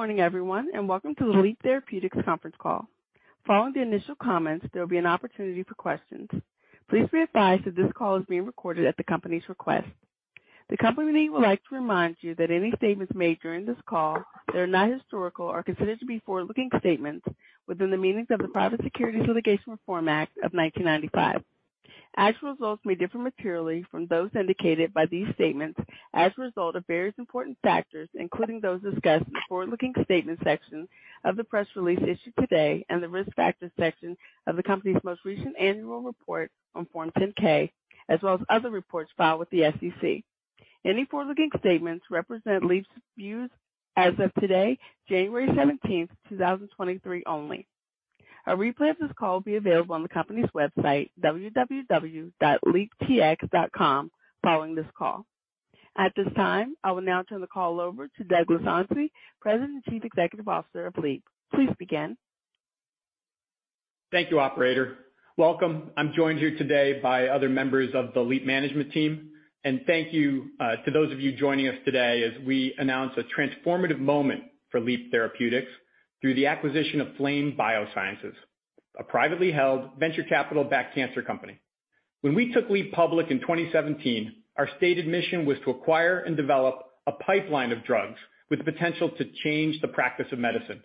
Good morning, everyone, and welcome to the Leap Therapeutics conference call. Following the initial comments, there will be an opportunity for questions. Please be advised that this call is being recorded at the company's request. The company would like to remind you that any statements made during this call that are not historical are considered to be forward-looking statements within the meanings of the Private Securities Litigation Reform Act of 1995. Actual results may differ materially from those indicated by these statements as a result of various important factors, including those discussed in the forward-looking statements section of the press release issued today and the Risk Factors section of the company's most recent annual report on Form 10-K, as well as other reports filed with the SEC. Any forward-looking statements represent Leap's views as of today, January 17th, 2023 only. A replay of this call will be available on the company's website, www.leaptx.com, following this call. At this time, I will now turn the call over to Douglas Onsi, President and Chief Executive Officer of Leap. Please begin. Thank you, operator. Welcome. I'm joined here today by other members of the Leap management team. Thank you to those of you joining us today as we announce a transformative moment for Leap Therapeutics through the acquisition of Flame Biosciences, a privately held venture capital-backed cancer company. When we took Leap public in 2017, our stated mission was to acquire and develop a pipeline of drugs with the potential to change the practice of medicine.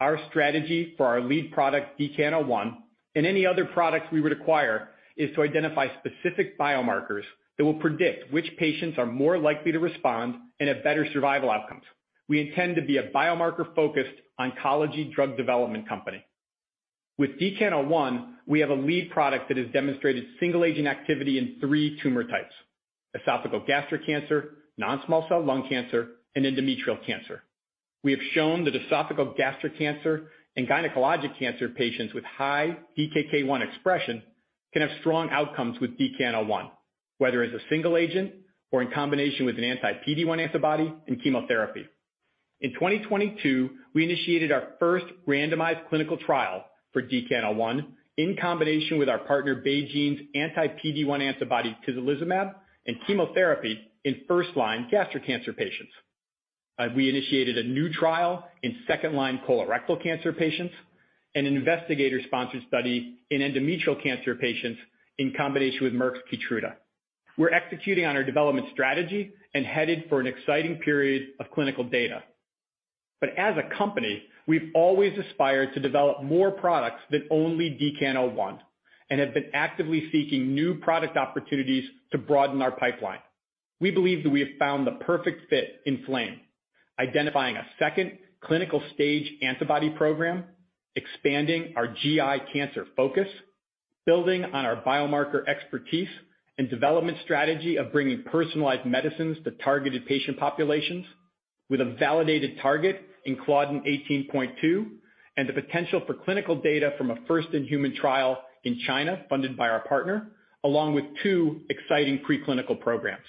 Our strategy for our lead product, DKN-01, and any other products we would acquire, is to identify specific biomarkers that will predict which patients are more likely to respond and have better survival outcomes. We intend to be a biomarker-focused oncology drug development company. With DKN-01, we have a lead product that has demonstrated single agent activity in three tumor types: esophageal gastric cancer, non-small cell lung cancer, and endometrial cancer. We have shown that esophageal gastric cancer and gynecologic cancer patients with high DKK 1 expression can have strong outcomes with DKN-01, whether as a single agent or in combination with an anti-PD-1 antibody and chemotherapy. In 2022, we initiated our first randomized clinical trial for DKN-01 in combination with our partner BeiGene's anti-PD-1 antibody tislelizumab and chemotherapy in first-line gastric cancer patients. We initiated a new trial in second-line colorectal cancer patients and an investigator-sponsored study in endometrial cancer patients in combination with Merck's KEYTRUDA. As a company, we've always aspired to develop more products than only DKN-01 and have been actively seeking new product opportunities to broaden our pipeline. We believe that we have found the perfect fit in Flame, identifying a second clinical stage antibody program, expanding our GI cancer focus, building on our biomarker expertise and development strategy of bringing personalized medicines to targeted patient populations with a validated target in Claudin 18.2, and the potential for clinical data from a first-in-human trial in China funded by our partner, along with two exciting preclinical programs.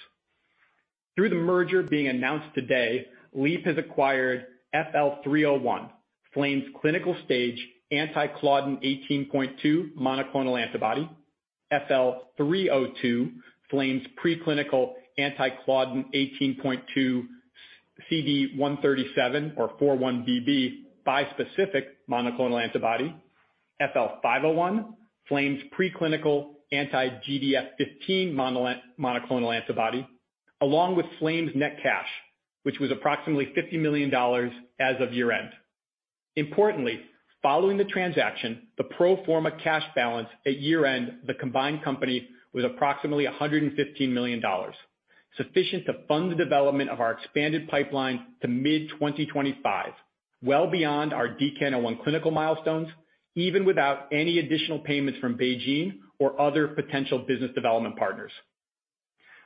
Through the merger being announced today, Leap has acquired FL-301, Flame's clinical stage anti-Claudin 18.2 monoclonal antibody, FL-302, Flame's preclinical anti-Claudin 18.2 CD137 or 4-1BB bispecific monoclonal antibody, FL-501, Flame's preclinical anti-GDF15 monoclonal antibody, along with Flame's net cash, which was approximately $50 million as of year-end. Importantly, following the transaction, the pro forma cash balance at year-end, the combined company was approximately $115 million, sufficient to fund the development of our expanded pipeline to mid-2025, well beyond our DKN-01 clinical milestones, even without any additional payments from BeiGene or other potential business development partners.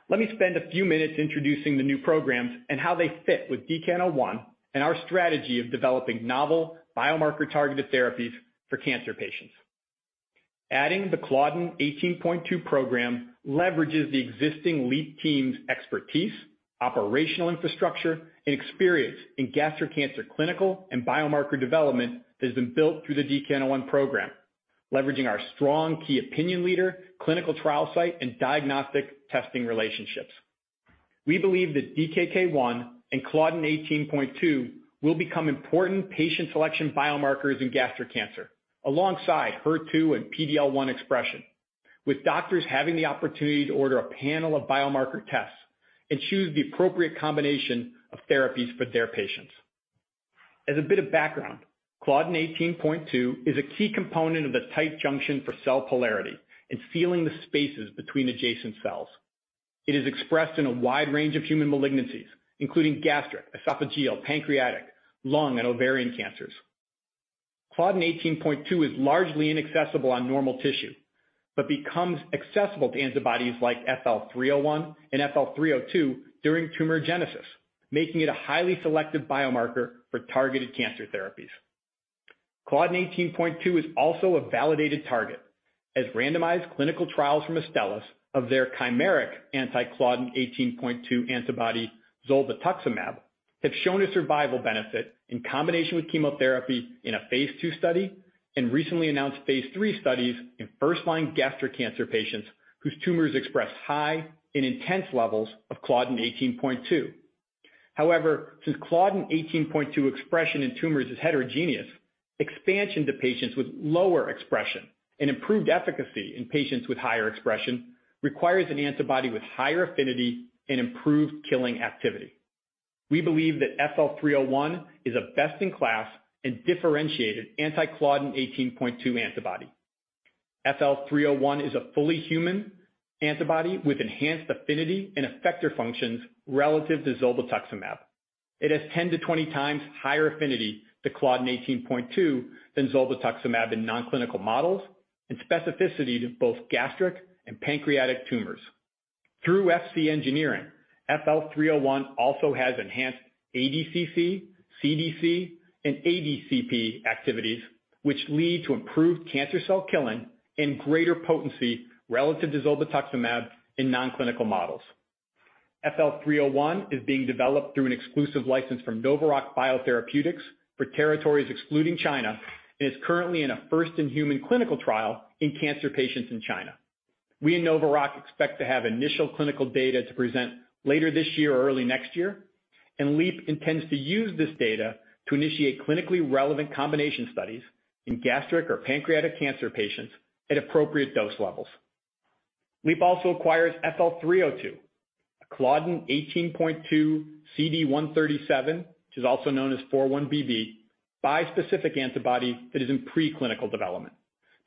Let me spend a few minutes introducing the new programs and how they fit with DKN-01 and our strategy of developing novel biomarker-targeted therapies for cancer patients. Adding the Claudin 18.2 program leverages the existing Leap team's expertise, operational infrastructure, and experience in gastric cancer clinical and biomarker development that has been built through the DKN-01 program, leveraging our strong key opinion leader, clinical trial site, and diagnostic testing relationships. We believe that DKK 1 and Claudin 18.2 will become important patient selection biomarkers in gastric cancer, alongside HER2 and PD-L1 expression, with doctors having the opportunity to order a panel of biomarker tests and choose the appropriate combination of therapies for their patients. As a bit of background, Claudin 18.2 is a key component of the tight junction for cell polarity and sealing the spaces between adjacent cells. It is expressed in a wide range of human malignancies, including gastric, esophageal, pancreatic, lung, and ovarian cancers. Claudin 18.2 is largely inaccessible on normal tissue, but becomes accessible to antibodies like FL-301 and FL-302 during tumorigenesis, making it a highly selective biomarker for targeted cancer therapies. Claudin 18.2 is also a validated target, as randomized clinical trials from Astellas of their chimeric anti-Claudin 18.2 antibody, zolbetuximab, have shown a survival benefit in combination with chemotherapy in a phase II study. Recently announced phase III studies in first-line gastric cancer patients whose tumors express high and intense levels of Claudin 18.2. However, since Claudin 18.2 expression in tumors is heterogeneous, expansion to patients with lower expression and improved efficacy in patients with higher expression requires an antibody with higher affinity and improved killing activity. We believe that FL-301 is a best in class and differentiated anti-Claudin 18.2 antibody. FL-301 is a fully human antibody with enhanced affinity and effector functions relative to zolbetuximab. It has 10x-20x higher affinity to CLDN18.2 than zolbetuximab in non-clinical models and specificity to both gastric and pancreatic tumors. Through Fc Engineering, FL-301 also has enhanced ADCC, CDC, and ADCP activities, which lead to improved cancer cell killing and greater potency relative to zolbetuximab in non-clinical models. FL-301 is being developed through an exclusive license from NovaRock Biotherapeutics for territories excluding China and is currently in a first-in-human clinical trial in cancer patients in China. We and NovaRock expect to have initial clinical data to present later this year or early next year, Leap intends to use this data to initiate clinically relevant combination studies in gastric or pancreatic cancer patients at appropriate dose levels. Leap also acquires FL-302, a CLDN18.2 CD137, which is also known as 4-1BB, bispecific antibody that is in preclinical development.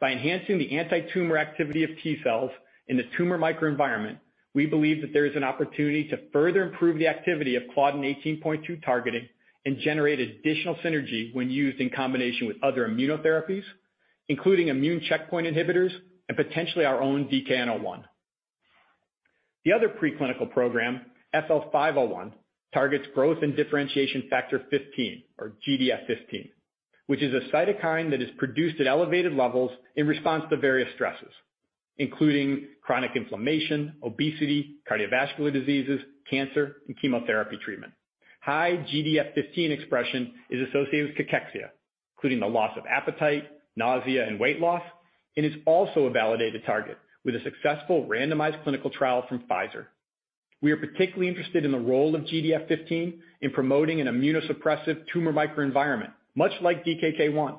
By enhancing the antitumor activity of T cells in the tumor microenvironment, we believe that there is an opportunity to further improve the activity of CLDN18.2 targeting and generate additional synergy when used in combination with other immunotherapies, including immune checkpoint inhibitors and potentially our own DKN-01. The other preclinical program, FL-501, targets growth differentiation factor 15 or GDF15, which is a cytokine that is produced at elevated levels in response to various stresses, including chronic inflammation, obesity, cardiovascular diseases, cancer, and chemotherapy treatment. High GDF15 expression is associated with cachexia, including the loss of appetite, nausea, and weight loss, and is also a validated target with a successful randomized clinical trial from Pfizer. We are particularly interested in the role of GDF15 in promoting an immunosuppressive tumor microenvironment, much like DKK 1,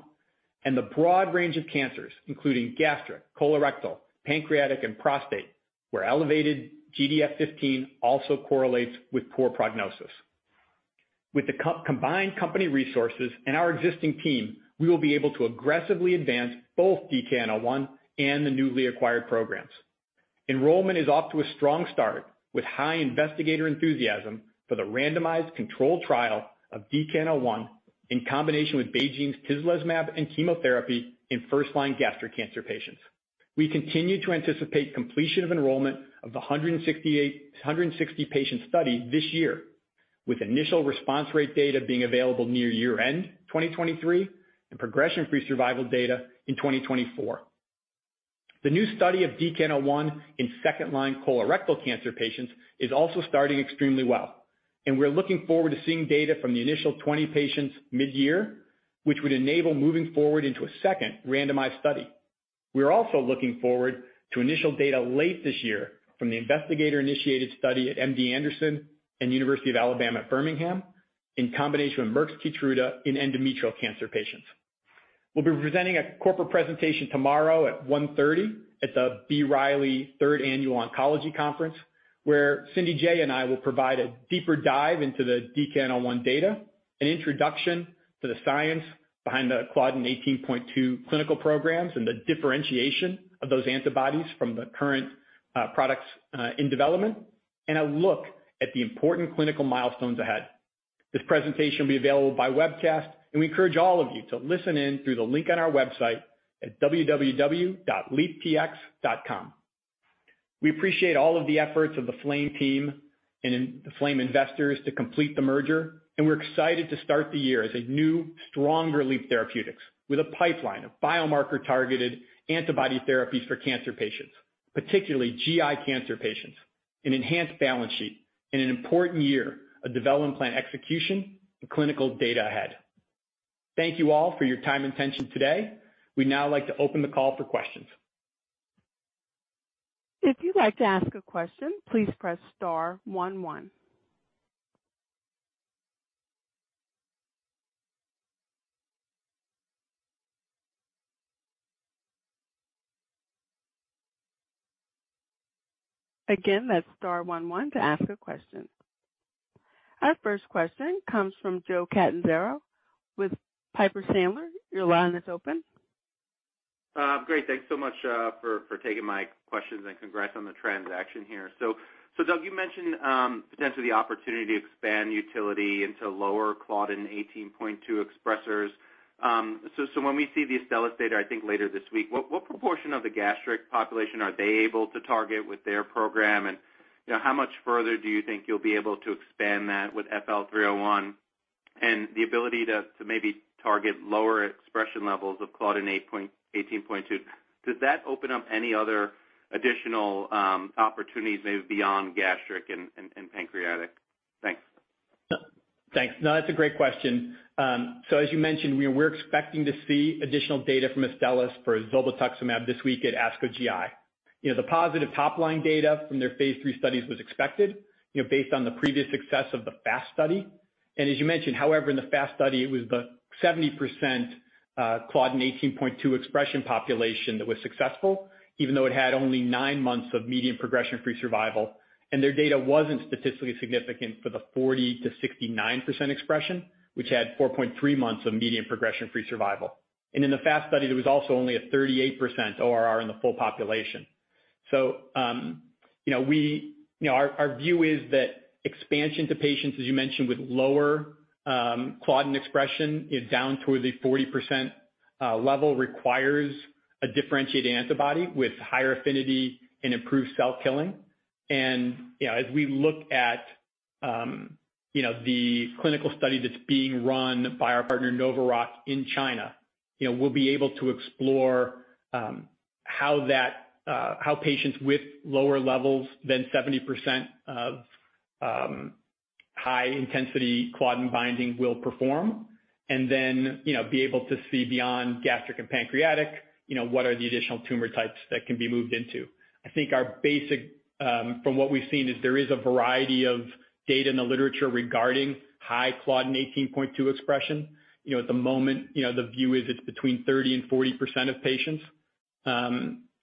and the broad range of cancers, including gastric, colorectal, pancreatic, and prostate, where elevated GDF15 also correlates with poor prognosis. With the co-combined company resources and our existing team, we will be able to aggressively advance both DKN-01 and the newly acquired programs. Enrollment is off to a strong start, with high investigator enthusiasm for the randomized controlled trial of DKN-01 in combination with BeiGene's tislelizumab and chemotherapy in first-line gastric cancer patients. We continue to anticipate completion of enrollment of the 160 patient study this year, with initial response rate data being available near year-end 2023 and progression-free survival data in 2024. The new study of DKN-01 in second-line colorectal cancer patients is also starting extremely well, and we're looking forward to seeing data from the initial 20 patients mid-year, which would enable moving forward into a second randomized study. We are also looking forward to initial data late this year from the investigator-initiated study at MD Anderson and University of Alabama at Birmingham in combination with Merck's KEYTRUDA in endometrial cancer patients. We'll be presenting a corporate presentation tomorrow at 1:30 P.M. at the B. Riley 3rd Annual Oncology Conference, where Cindy Jay and I will provide a deeper dive into the DKN-01 data, an introduction to the science behind the Claudin 18.2 clinical programs, and the differentiation of those antibodies from the current products in development, and a look at the important clinical milestones ahead. This presentation will be available by webcast. We encourage all of you to listen in through the link on our website at www.leaptx.com. We appreciate all of the efforts of the Flame team and the Flame investors to complete the merger. We're excited to start the year as a new, stronger Leap Therapeutics with a pipeline of biomarker-targeted antibody therapies for cancer patients, particularly GI cancer patients, an enhanced balance sheet, and an important year of development plan execution and clinical data ahead. Thank you all for your time and attention today. We'd now like to open the call for questions. If you'd like to ask a question, please press star one one. That's star one one to ask a question. Our first question comes from Joseph Catanzaro with Piper Sandler. Your line is open. Great. Thanks so much for taking my questions and congrats on the transaction here. Doug, you mentioned potentially the opportunity to expand utility into lower Claudin 18.2 expressers. When we see the Astellas data, I think later this week, what proportion of the gastric population are they able to target with their program? You know, how much further do you think you'll be able to expand that with FL-301? The ability to maybe target lower expression levels of Claudin 18.2, does that open up any other additional opportunities maybe beyond gastric and pancreatic? Thanks. Thanks. No, that's a great question. As you mentioned, we're expecting to see additional data from Astellas for zolbetuximab this week at ASCO GI. You know, the positive top line data from their phase III studies was expected, you know, based on the previous success of the FAST study. As you mentioned, however, in the FAST study, it was the 70% CLDN18.2 expression population that was successful, even though it had only nine months of median progression-free survival. Their data wasn't statistically significant for the 40%-69% expression, which had 4.3 months of median progression-free survival. In the FAST study, there was also only a 38% ORR in the full population. You know, we... You know, our view is that expansion to patients, as you mentioned, with lower Claudin expression is down toward the 40% level requires a differentiated antibody with higher affinity and improved cell killing. You know, as we look at, you know, the clinical study that's being run by our partner, NovaRock, in China, you know, we'll be able to explore how patients with lower levels than 70% of high-intensity Claudin binding will perform, then, you know, be able to see beyond gastric and pancreatic, you know, what are the additional tumor types that can be moved into. I think our basic, from what we've seen is there is a variety of data in the literature regarding high Claudin 18.2 expression. You know, at the moment, you know, the view is it's between 30% and 40% of patients,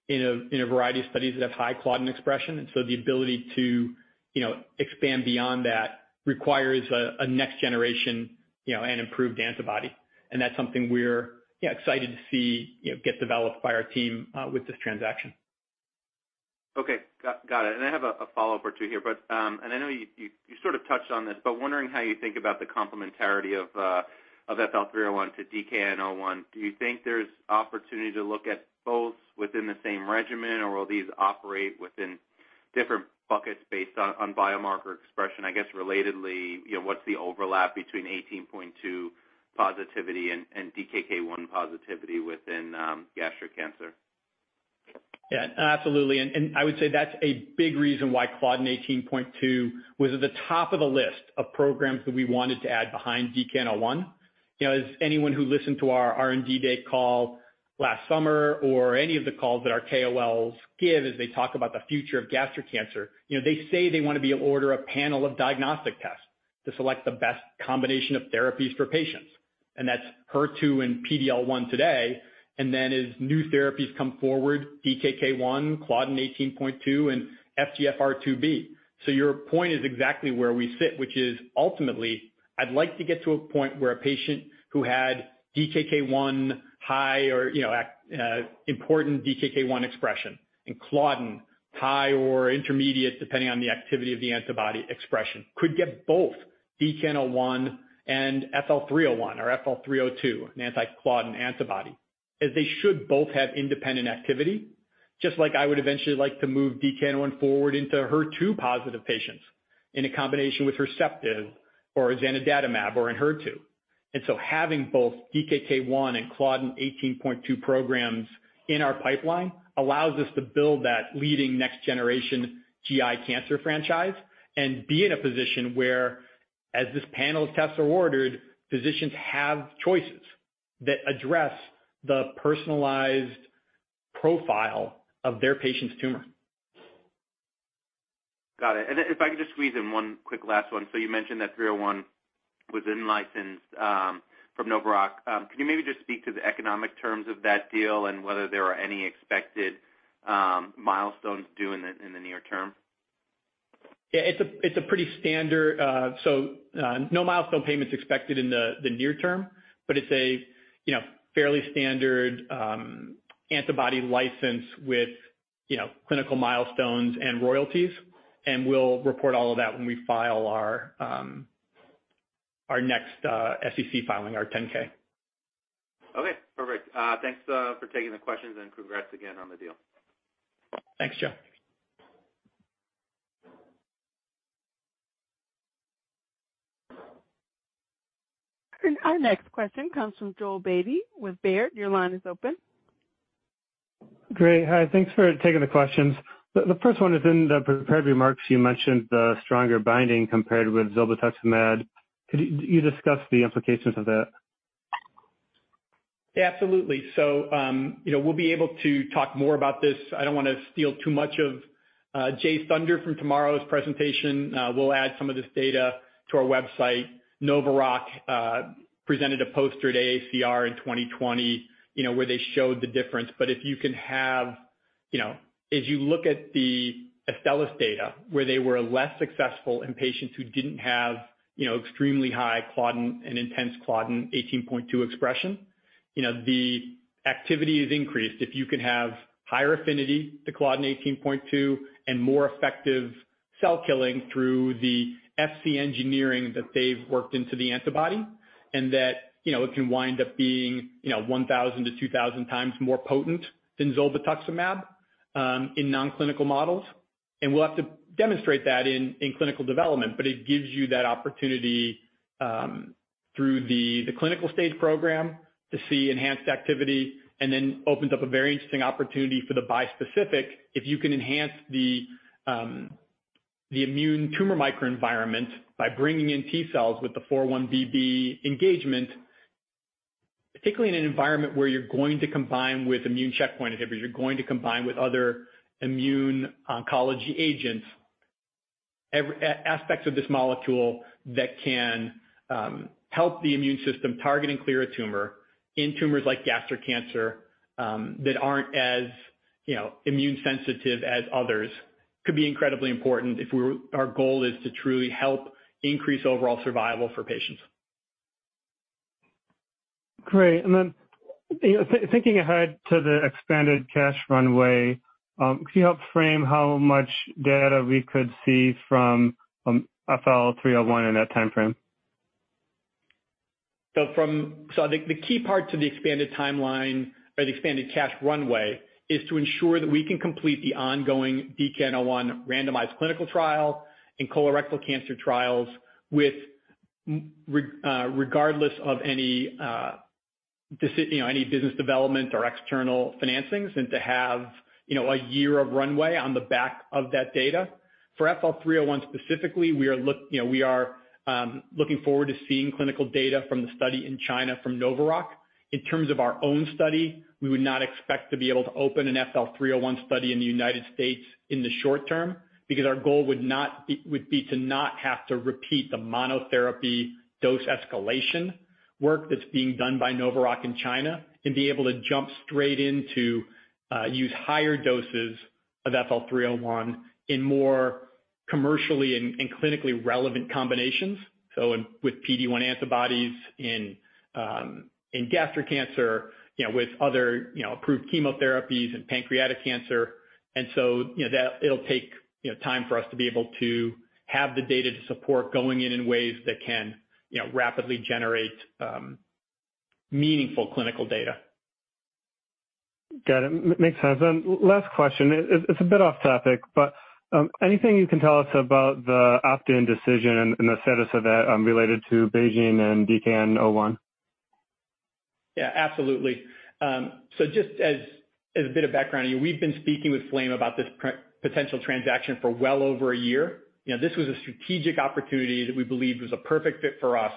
in a variety of studies that have high Claudin expression. The ability to, you know, expand beyond that requires a next generation, you know, and improved antibody. That's something we're, yeah, excited to see, you know, get developed by our team with this transaction. Okay. Got it. I have a follow-up or two here. I know you sort of touched on this, but wondering how you think about the complementarity of FL-301 to DKN-01. Do you think there's opportunity to look at both within the same regimen, or will these operate within different buckets based on biomarker expression? I guess relatedly, you know, what's the overlap between CLDN18.2 positivity and DKK 1 positivity within gastric cancer? Yeah, absolutely. I would say that's a big reason why CLDN18.2 was at the top of the list of programs that we wanted to add behind DKN-01. You know, as anyone who listened to our R&D day call last summer or any of the calls that our KOLs give as they talk about the future of gastric cancer, you know, they say they wanna be able to order a panel of diagnostic tests to select the best combination of therapies for patients. That's HER2 and PD-L1 today. Then as new therapies come forward, DKK 1, CLDN18.2, and FGFR2b. Your point is exactly where we sit, which is ultimately, I'd like to get to a point where a patient who had DKK 1 high or, you know, important DKK 1 expression and Claudin high or intermediate, depending on the activity of the antibody expression, could get both DKN-01 and FL-301 or FL-302, an anti-Claudin antibody, as they should both have independent activity. Just like I would eventually like to move DKN-01 forward into HER2 positive patients in a combination with Herceptin or zanidatamab or in HER2. Having both DKK 1 and CLDN18.2 programs in our pipeline allows us to build that leading next generation GI cancer franchise and be in a position where, as this panel of tests are ordered, physicians have choices that address the personalized profile of their patient's tumor. Got it. If I could just squeeze in one quick last one. You mentioned that FL-301 was in licensed from NovaRock Biotherapeutics. Can you maybe just speak to the economic terms of that deal and whether there are any expected milestones due in the near term? It's a pretty standard... No milestone payments expected in the near term, but it's a, you know, fairly standard antibody license with, you know, clinical milestones and royalties. We'll report all of that when we file our next SEC filing, our 10-K. Okay, perfect. Thanks for taking the questions and congrats again on the deal. Thanks, Joe. Our next question comes from Joel Beatty with Baird. Your line is open. Great. Hi, thanks for taking the questions. The first one is in the prepared remarks you mentioned the stronger binding compared with zolbetuximab. Could you discuss the implications of that? Yeah, absolutely. You know, we'll be able to talk more about this. I don't wanna steal too much of Jay's thunder from tomorrow's presentation. We'll add some of this data to our website. NovaRock presented a poster at ACR in 2020, you know, where they showed the difference. You know, as you look at the Astellas data, where they were less successful in patients who didn't have, you know, extremely high Claudin and intense Claudin 18.2 expression, you know, the activity is increased. If you can have higher affinity to Claudin 18.2 and more effective cell killing through the Fc Engineering that they've worked into the antibody, and that, you know, it can wind up being, you know, 1,000x-2,000x more potent than zolbetuximab in non-clinical models. We'll have to demonstrate that in clinical development, but it gives you that opportunity, through the clinical stage program to see enhanced activity and then opens up a very interesting opportunity for the bispecific if you can enhance the immune tumor microenvironment by bringing in T cells with the 4-1BB engagement, particularly in an environment where you're going to combine with immune checkpoint inhibitors, you're going to combine with other immune oncology agents. Aspects of this molecule that can help the immune system target and clear a tumor in tumors like gastric cancer that aren't as, you know, immune sensitive as others, could be incredibly important if our goal is to truly help increase overall survival for patients. Great. You know, thinking ahead to the expanded cash runway, could you help frame how much data we could see from FL-301 in that time frame? I think the key part to the expanded timeline or the expanded cash runway is to ensure that we can complete the ongoing DKN-01 randomized clinical trial in colorectal cancer trials regardless of any, you know, any business development or external financings and to have, you know, a year of runway on the back of that data. For FL-301 specifically, we are, you know, we are looking forward to seeing clinical data from the study in China from NovaRock. In terms of our own study, we would not expect to be able to open an FL-301 study in the United States in the short term because our goal would be to not have to repeat the monotherapy dose escalation work that's being done by NovaRock in China and be able to jump straight into use higher doses of FL-301 in more commercially and clinically relevant combinations. With PD-1 antibodies in gastric cancer, you know, with other, you know, approved chemotherapies in pancreatic cancer. You know, that it'll take, you know, time for us to be able to have the data to support going in in ways that can, you know, rapidly generate meaningful clinical data. Got it. Makes sense. Last question. It's a bit off topic, but anything you can tell us about the opt-in decision and the status of that related to BeiGene and DKN-01? Yeah, absolutely. Just as a bit of background, you know, we've been speaking with Flame about this potential transaction for well over a year. You know, this was a strategic opportunity that we believed was a perfect fit for us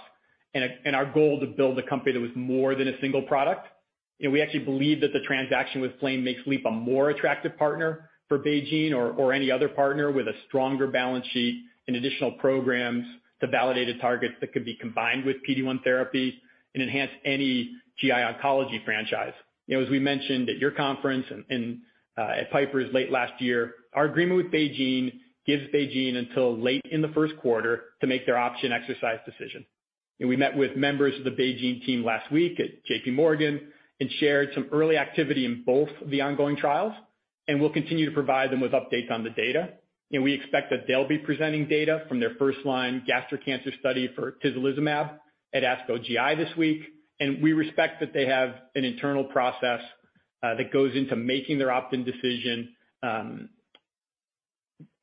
and our goal to build a company that was more than a single product. You know, we actually believe that the transaction with Flame makes Leap a more attractive partner for BeiGene or any other partner with a stronger balance sheet and additional programs to validate a target that could be combined with PD-1 therapy and enhance any GI oncology franchise. You know, as we mentioned at your conference and at Piper's late last year, our agreement with BeiGene gives BeiGene until late in the first quarter to make their option exercise decision. We met with members of the BeiGene team last week at JP Morgan and shared some early activity in both the ongoing trials, and we'll continue to provide them with updates on the data. We expect that they'll be presenting data from their first line gastric cancer study for tislelizumab at ASCO GI this week. We respect that they have an internal process that goes into making their opt-in decision.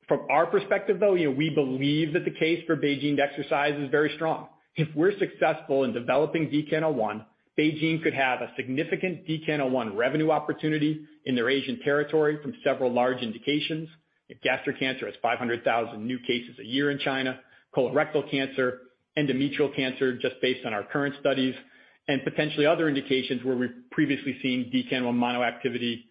From our perspective, though, you know, we believe that the case for BeiGene to exercise is very strong. If we're successful in developing DKN-01, BeiGene could have a significant DKN-01 revenue opportunity in their Asian territory from several large indications. If gastric cancer has 500,000 new cases a year in China, colorectal cancer, endometrial cancer, just based on our current studies, and potentially other indications where we've previously seen DKN-01 mono activity,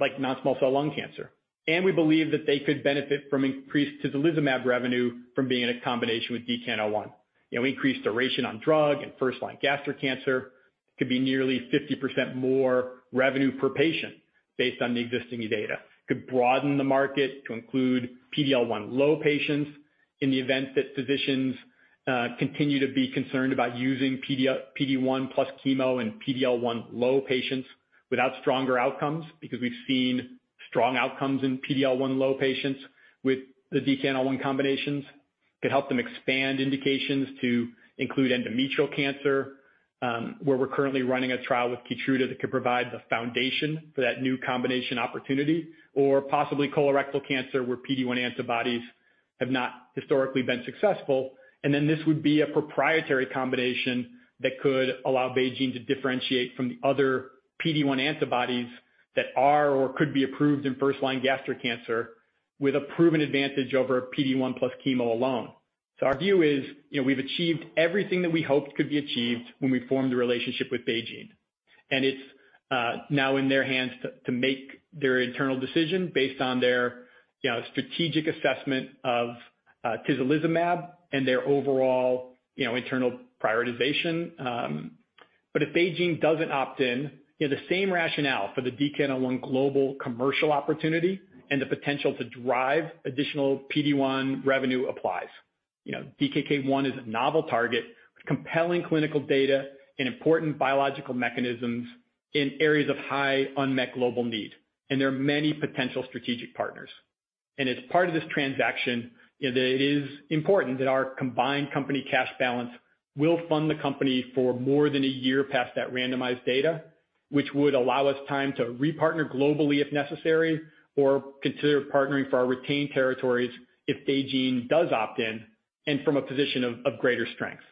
like non-small cell lung cancer. We believe that they could benefit from increased tislelizumab revenue from being in a combination with DKN-01. You know, increased duration on drug and first-line gastric cancer could be nearly 50% more revenue per patient based on the existing data. Could broaden the market to include PD-L1 low patients in the event that physicians continue to be concerned about using PD-1 plus chemo in PD-L1 low patients without stronger outcomes, because we've seen strong outcomes in PD-L1 low patients with the DKN-01 combinations. Could help them expand indications to include endometrial cancer, where we're currently running a trial with KEYTRUDA that could provide the foundation for that new combination opportunity, or possibly colorectal cancer, where PD-1 antibodies have not historically been successful. This would be a proprietary combination that could allow BeiGene to differentiate from the other PD-1 antibodies that are or could be approved in first-line gastric cancer with a proven advantage over PD-1 plus chemo alone. Our view is, you know, we've achieved everything that we hoped could be achieved when we formed the relationship with BeiGene, and it's now in their hands to make their internal decision based on their, you know, strategic assessment of tislelizumab and their overall, you know, internal prioritization. If BeiGene doesn't opt in, you know, the same rationale for the DKN-01 global commercial opportunity and the potential to drive additional PD-1 revenue applies. You know, DKK 1 is a novel target with compelling clinical data and important biological mechanisms in areas of high unmet global need, there are many potential strategic partners. As part of this transaction, you know, that it is important that our combined company cash balance will fund the company for more than a year past that randomized data, which would allow us time to re-partner globally, if necessary, or consider partnering for our retained territories if BeiGene does opt in and from a position of greater strength.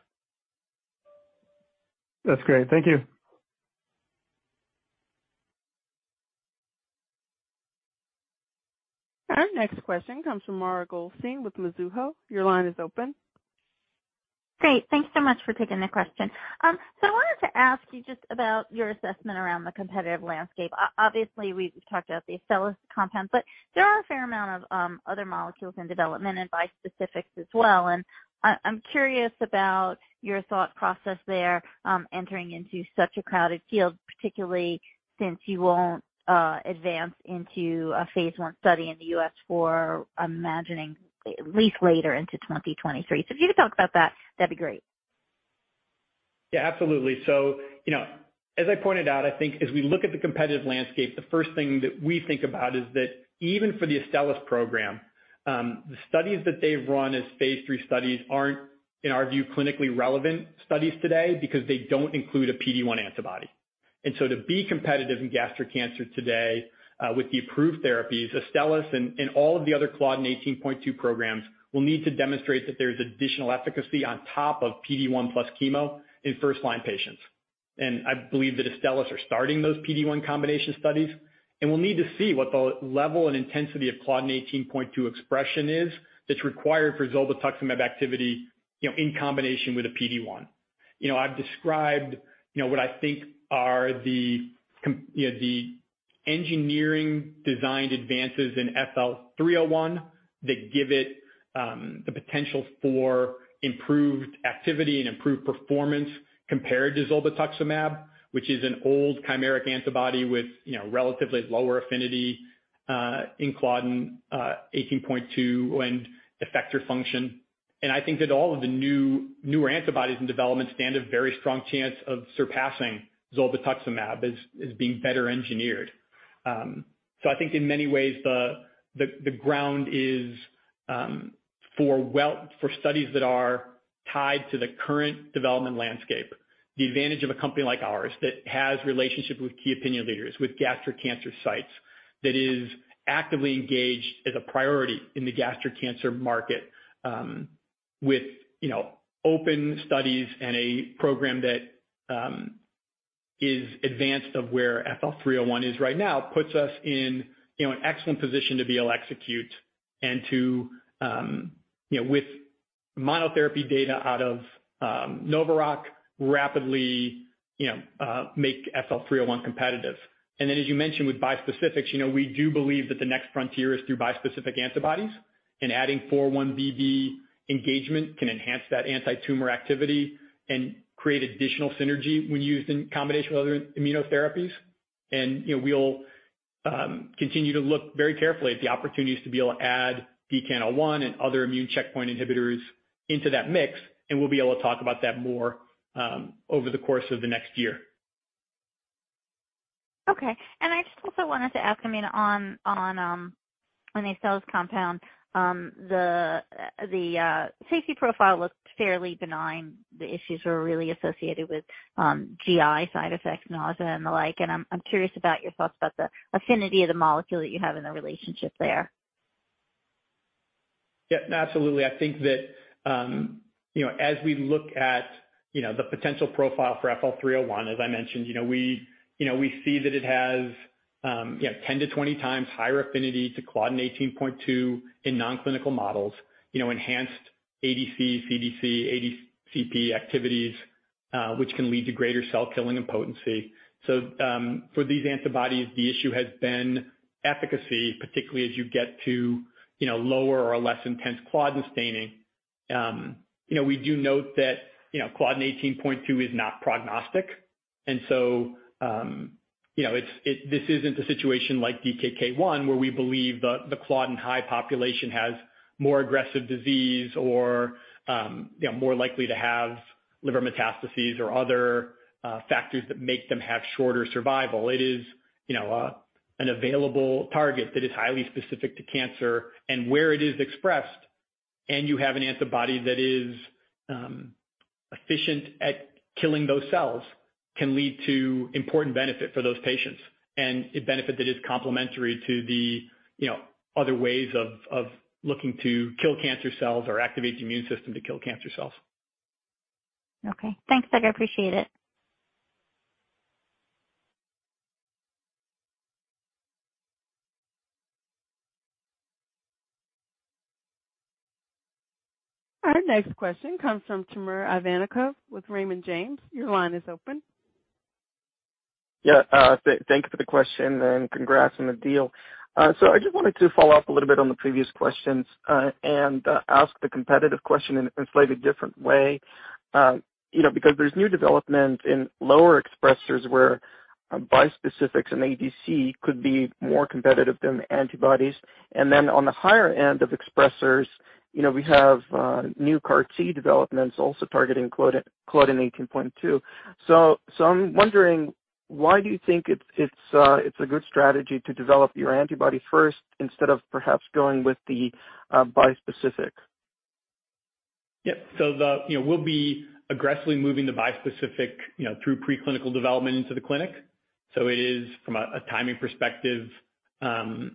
That's great. Thank you. Our next question comes from Mara Goldstein with Mizuho. Your line is open. Great. Thanks so much for taking the question. I wanted to ask you just about your assessment around the competitive landscape. Obviously, we've talked about the Astellas compounds, but there are a fair amount of other molecules in development and bispecifics as well, and I'm curious about your thought process there, entering into such a crowded field, particularly since you won't advance into a phase I study in the U.S. for, I'm imagining, at least later into 2023. If you could talk about that'd be great. Absolutely. You know, as I pointed out, I think as we look at the competitive landscape, the first thing that we think about is that even for the Astellas program, the studies that they've run as phase III studies aren't, in our view, clinically relevant studies today because they don't include a PD-1 antibody. To be competitive in gastric cancer today, with the approved therapies, Astellas and all of the other CLDN18.2 programs will need to demonstrate that there's additional efficacy on top of PD-1 plus chemo in first-line patients. I believe that Astellas are starting those PD-1 combination studies, and we'll need to see what the level and intensity of CLDN18.2 expression is that's required for zolbetuximab activity, you know, in combination with a PD-1. You know, I've described, you know, what I think are the engineering design advances in FL-301 that give it the potential for improved activity and improved performance compared to zolbetuximab, which is an old chimeric antibody with, you know, relatively lower affinity in CLDN18.2 and effector function. I think that all of the new, newer antibodies in development stand a very strong chance of surpassing zolbetuximab as being better engineered. I think in many ways the, the ground is for well, for studies that are tied to the current development landscape, the advantage of a company like ours that has relationships with key opinion leaders, with gastric cancer sites, that is actively engaged as a priority in the gastric cancer market, with, you know, open studies and a program that is advanced of where FL-301 is right now, puts us in, you know, an excellent position to be able to execute and to, you know, with monotherapy data out of NovaRock rapidly, you know, make FL-301 competitive. Then, as you mentioned, with bispecifics, you know, we do believe that the next frontier is through bispecific antibodies. Adding 4-1BB engagement can enhance that antitumor activity and create additional synergy when used in combination with other immunotherapies. You know, we'll continue to look very carefully at the opportunities to be able to add PD-L1 and other immune checkpoint inhibitors into that mix, and we'll be able to talk about that more over the course of the next year. Okay. I just also wanted to ask, I mean, on, on the Astellas compound, the safety profile looked fairly benign. The issues were really associated with GI side effects, nausea and the like. I'm curious about your thoughts about the affinity of the molecule that you have in the relationship there. Yeah, absolutely. I think that, you know, as we look at, you know, the potential profile for FL-301, as I mentioned, you know, we see that it has, you know, 10x-20x higher affinity to CLDN18.2 in non-clinical models, you know, enhanced ADC, CDC, ADCP activities, which can lead to greater cell killing and potency. For these antibodies, the issue has been efficacy, particularly as you get to, you know, lower or less intense CLDN18.2 staining. You know, we do note that, you know, CLDN18.2 is not prognostic. You know, this isn't a situation like DKK 1, where we believe the claudin high population has more aggressive disease or, you know, more likely to have liver metastases or other factors that make them have shorter survival. It is, you know, an available target that is highly specific to cancer. Where it is expressed and you have an antibody that is efficient at killing those cells, can lead to important benefit for those patients and a benefit that is complementary to the, you know, other ways of looking to kill cancer cells or activate the immune system to kill cancer cells. Okay. Thanks, Doug. I appreciate it. Our next question comes from Timur Ivannikov with Raymond James. Your line is open. Yeah. thank you for the question and congrats on the deal. I just wanted to follow up a little bit on the previous questions, and ask the competitive question in a slightly different way. you know, because there's new development in lower expressors where bispecifics and ADC could be more competitive than the antibodies. On the higher end of expressors, you know, we have new CAR T developments also targeting Claudin 18.2. I'm wondering why do you think it's a good strategy to develop your antibodies first instead of perhaps going with the bispecific? The, you know, we'll be aggressively moving the bispecific, you know, through pre-clinical development into the clinic. It is from a timing perspective, you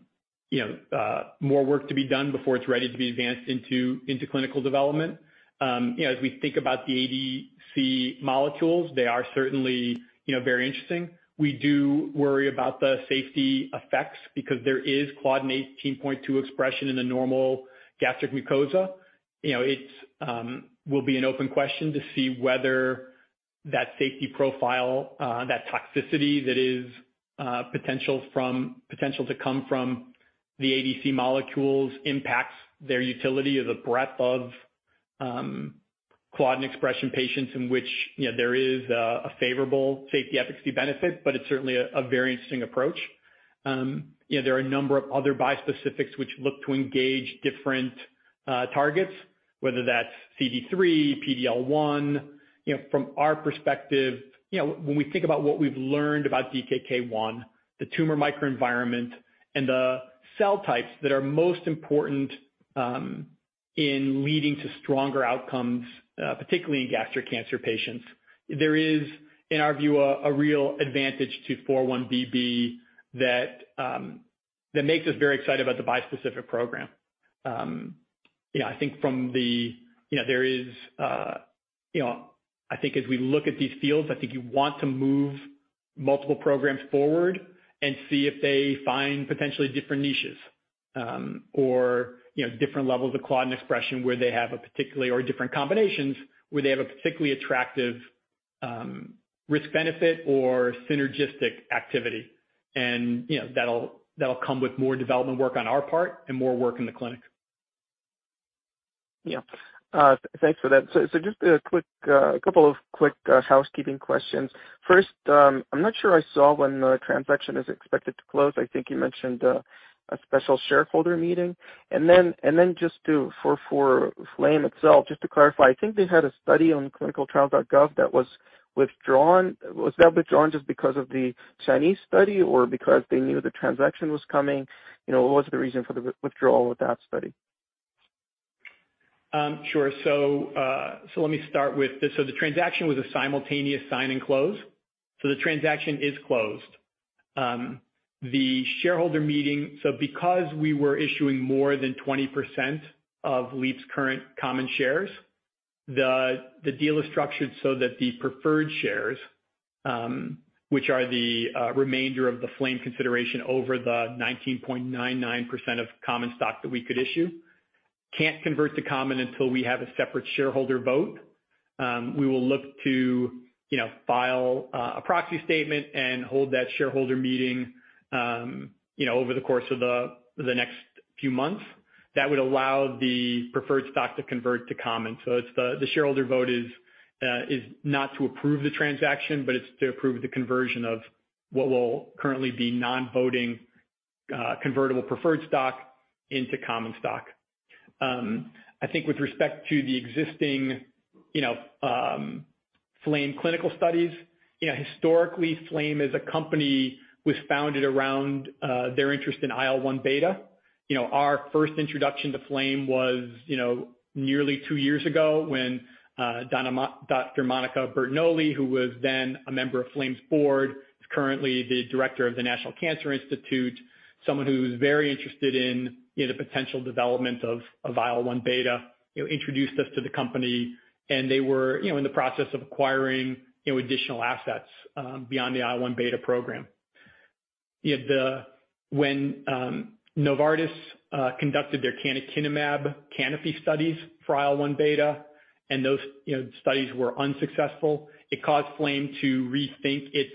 know, more work to be done before it's ready to be advanced into clinical development. You know, as we think about the ADC molecules, they are certainly, you know, very interesting. We do worry about the safety effects because there is CLDN18.2 expression in the normal gastric mucosa. You know, it's, will be an open question to see whether that safety profile, that toxicity that is potential to come from the ADC molecules impacts their utility or the breadth of Claudin expression patients in which, you know, there is a favorable safety efficacy benefit. It's certainly a very interesting approach. You know, there are a number of other bispecifics which look to engage different targets, whether that's CD3, PD-L1. You know, from our perspective, you know, when we think about what we've learned about DKK 1, the tumor microenvironment and the cell types that are most important in leading to stronger outcomes, particularly in gastric cancer patients, there is, in our view, a real advantage to 4-1BB that makes us very excited about the bispecific program. You know, I think from the... You know, there is, you know, I think as we look at these fields, I think you want to move multiple programs forward and see if they find potentially different niches, or, you know, different levels of Claudin expression where they have a particularly or different combinations, where they have a particularly attractive, risk-benefit or synergistic activity. You know, that'll come with more development work on our part and more work in the clinic. Thanks for that. Just a quick couple of quick housekeeping questions. First, I'm not sure I saw when the transaction is expected to close. I think you mentioned a special shareholder meeting. Then just to for Flame itself, just to clarify, I think they had a study on ClinicalTrials.gov that was withdrawn. Was that withdrawn just because of the Chinese study or because they knew the transaction was coming? You know, what was the reason for the withdrawal of that study? Sure. Let me start with this. The transaction was a simultaneous sign and close, so the transaction is closed. The shareholder meeting, because we were issuing more than 20% of Leap's current common shares, the deal is structured so that the preferred shares, which are the remainder of the Flame consideration over the 19.99% of common stock that we could issue, can't convert to common until we have a separate shareholder vote. We will look to, you know, file a proxy statement and hold that shareholder meeting, you know, over the course of the next few months. That would allow the preferred stock to convert to common. It's the shareholder vote is not to approve the transaction, but it's to approve the conversion of what will currently be non-voting convertible preferred stock into common stock. I think with respect to the existing, you know, Flame clinical studies, you know, historically Flame as a company was founded around their interest in IL-1 beta. You know, our first introduction to Flame was, you know, nearly two years ago when Dr. Monica Bertagnolli, who was then a member of Flame's board, is currently the Director of the National Cancer Institute, someone who's very interested in, you know, the potential development of IL-1 beta, you know, introduced us to the company and they were, you know, in the process of acquiring, you know, additional assets beyond the IL-1 beta program. You know, the, when Novartis conducted their canakinumab CANOPY studies for IL-1 beta and those, you know, studies were unsuccessful, it caused Flame to rethink its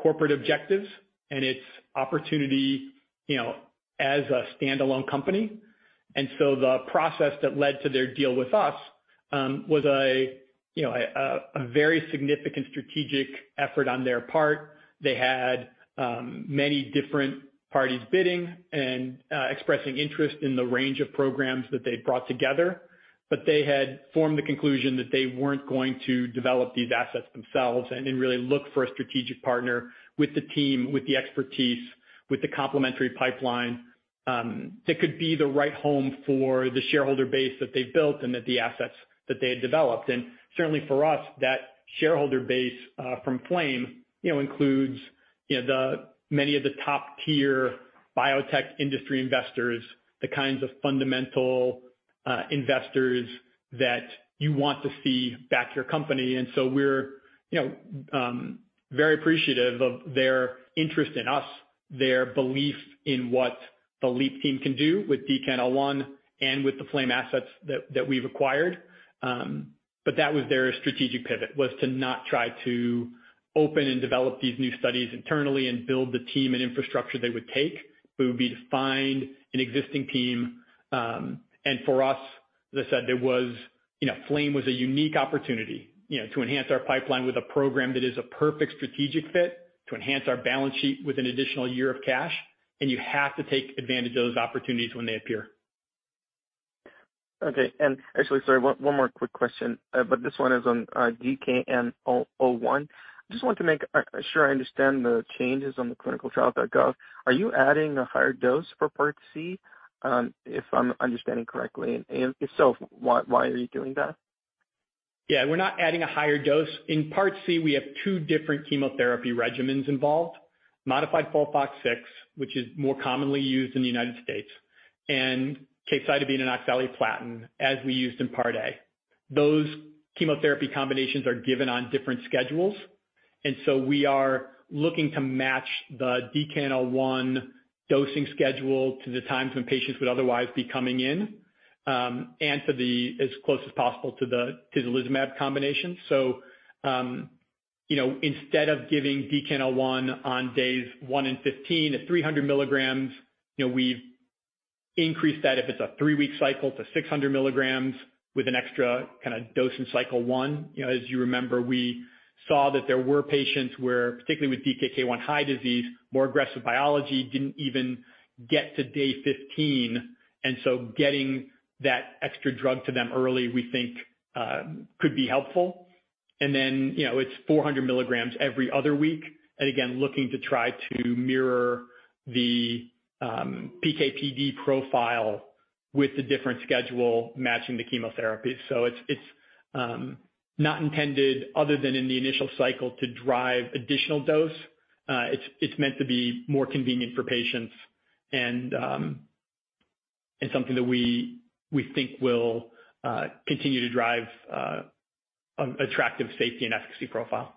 corporate objectives and its opportunity, you know, as a standalone company. The process that led to their deal with us was a, you know, a very significant strategic effort on their part. They had many different parties bidding and expressing interest in the range of programs that they'd brought together. They had formed the conclusion that they weren't going to develop these assets themselves and then really look for a strategic partner with the team, with the expertise, with the complementary pipeline that could be the right home for the shareholder base that they've built and that the assets that they had developed. Certainly for us, that shareholder base, you know, includes, you know, many of the top-tier biotech industry investors, the kinds of fundamental investors that you want to see back your company. We're, you know, very appreciative of their interest in us, their belief in what the Leap team can do with DKN-01 and with the Flame assets that we've acquired. That was their strategic pivot, was to not try to open and develop these new studies internally and build the team and infrastructure they would take, but it would be to find an existing team. For us, as I said, it was. You know, Flame was a unique opportunity, you know, to enhance our pipeline with a program that is a perfect strategic fit, to enhance our balance sheet with an additional year of cash, and you have to take advantage of those opportunities when they appear. Okay. actually, sorry, one more quick question, but this one is on DKN-01. I just want to make sure I understand the changes on the ClinicalTrials.gov. Are you adding a higher dose for Part C? If I'm understanding correctly. If so, why are you doing that? Yeah, we're not adding a higher dose. In Part C, we have two different chemotherapy regimens involved, modified FOLFOX6, which is more commonly used in the United States, and capecitabine and oxaliplatin, as we used in Part A. Those chemotherapy combinations are given on different schedules, and so we are looking to match the DKN-01 dosing schedule to the times when patients would otherwise be coming in, and to the as close as possible to the tislelizumab combination. You know, instead of giving DKN-01 on days one and 15 at 300 milligrams, you know, we've increased that if it's a three-week cycle to 600 milligrams with an extra kinda dose in cycle one. You know, as you remember, we saw that there were patients where, particularly with DKK 1 high disease, more aggressive biology didn't even get to day 15, getting that extra drug to them early, we think, could be helpful. Then, you know, it's 400 milligrams every other week. Again, looking to try to mirror the PK/PD profile with the different schedule matching the chemotherapy. It's not intended other than in the initial cycle to drive additional dose. It's meant to be more convenient for patients and something that we think will continue to drive attractive safety and efficacy profile.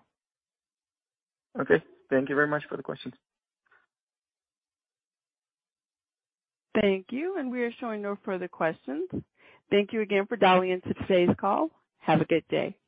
Okay. Thank you very much for the questions. Thank you. We are showing no further questions. Thank you again for dialing into today's call. Have a good day.